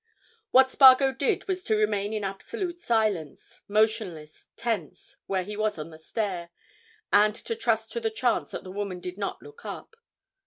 What Spargo did was to remain in absolute silence, motionless, tense, where he was on the stair, and to trust to the chance that the woman did not look up.